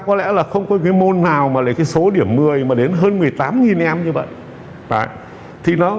có lẽ là không có môn nào mà lấy số điểm một mươi mà đến hơn một mươi tám em như vậy